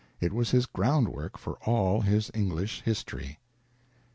It was his groundwork for all English history.